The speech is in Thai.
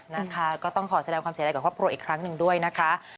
นะคะก็ต้องขอแสดงความเสียใจกับครอบครัวอีกครั้งหนึ่งด้วยนะคะ